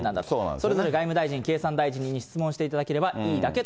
それぞれ外務大臣、経産大臣に質問していただければいいだけと。